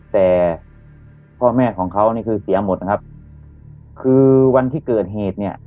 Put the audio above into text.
แต่พ่อแม่ของเขานี่คือเสียหมดนะครับคือวันที่เกิดเหตุเนี่ย